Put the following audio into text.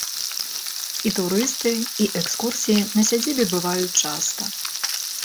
І турысты, і экскурсіі на сядзібе бываюць часта.